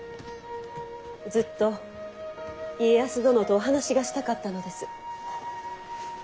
ずっと家康殿とお話がしたかったのです。